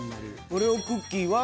オレオクッキーは？